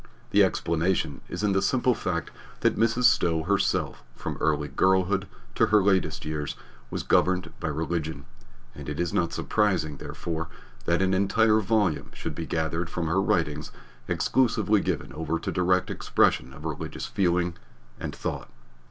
The explanation is in the simple fact that Mrs. Stowe herself from early girlhood to her latest years was governed by religion, and it is not surprising, therefore, that an entire volume should be gathered from her writings exclusively given over to direct expression of religious feeling and thought.